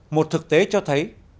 một thực tế cho thấy